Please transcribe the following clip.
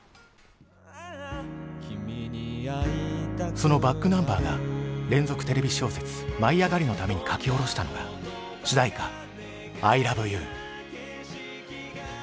そのｂａｃｋｎｕｍｂｅｒが連続テレビ小説「舞いあがれ！」のために書き下ろしたのが主題歌「アイラブユー」。